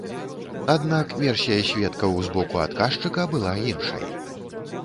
Аднак версія сведкаў з боку адказчыка была іншай.